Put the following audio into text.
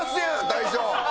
大将！